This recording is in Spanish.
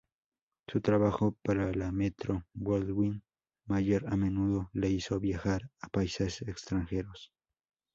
Su trabajo para la Metro-Goldwyn-Mayer a menudo le hizo viajar a países extranjeros.